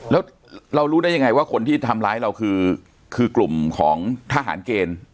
แล้วเรารู้ได้ยังไงว่าคนที่ทำร้ายเราคือกลุ่มของทหารเกณฑ์